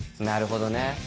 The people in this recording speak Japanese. なるほどね。